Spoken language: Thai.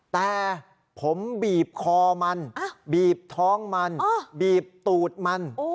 แต่ผมบีบคอมันบีบท้องมันบีบตูดมัน